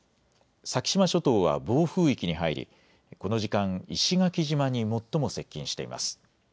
先島諸島は暴風域に入りこの時間、石垣島に最も接近しています。